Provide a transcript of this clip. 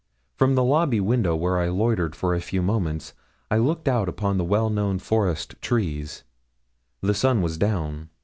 From the lobby window, where I loitered for a few moments, I looked out upon the well known forest trees. The sun was down.